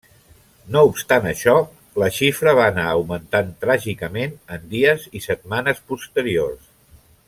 No obstant això, la xifra va anar augmentant tràgicament en dies i setmanes posteriors.